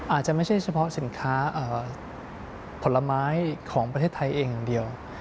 อาจจะไม่ใช่เฉพาะสินค้าผลไม้ของประเทศไทยเองอย่างเดียว